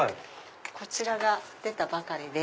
こちらが出たばかりで。